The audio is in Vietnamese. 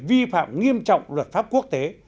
vi phạm nghiêm trọng luật pháp quốc tế